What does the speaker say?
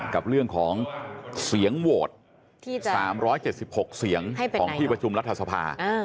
กับเรื่องของเสียงโหวต๓๗๖เสียงของที่ประชุมรัฐสภา